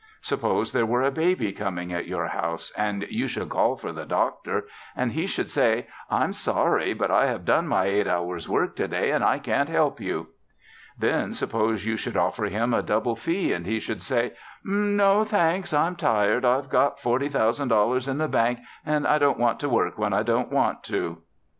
Suppose there were a baby coming at your house and you should call for the doctor and he should say, 'I'm sorry, but I have done my eight hours' work to day and I can't help you.' Then suppose you should offer him a double fee and he should say, 'No, thanks, I'm tired. I've got forty thousand dollars in the bank and I don't have to work when I don't want to.'